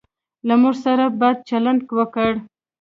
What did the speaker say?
له موږ سره بد چلند وکړ.